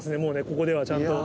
ここではちゃんと。